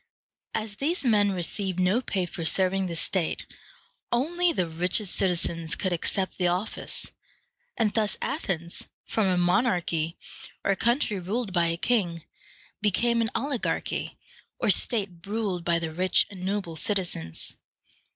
As these men received no pay for serving the state, only the richest citizens could accept the office; and thus Athens, from a monarchy, or country ruled by a king, became an oligarchy, or state ruled by the rich and noble citizens.